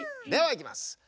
ではいきます。